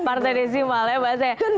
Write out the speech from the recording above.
partai desimal ya mbak sean